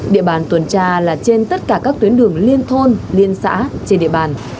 địa bàn tuần tra là trên tất cả các tuyến đường liên thôn liên xã trên địa bàn